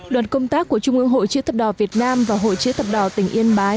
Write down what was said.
đoàn công tác của trung ương hội chia thập đỏ việt nam và hội chữ thập đỏ tỉnh yên bái